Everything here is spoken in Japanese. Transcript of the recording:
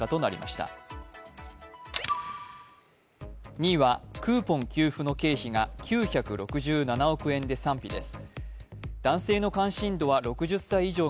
２位はクーポン給付の経費が９６７億円で賛否です。